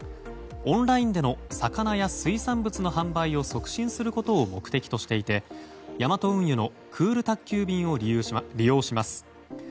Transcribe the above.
オンラインでの魚や水産物の販売を促進することを目的としていてヤマト運輸のクール宅急便を利用します。